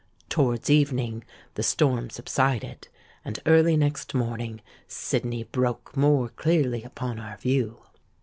Towards evening the storm subsided; and early next morning Sydney broke more clearly upon our view.